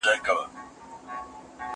ما چي ول بالا به قلم ښه ليکي باره خراب و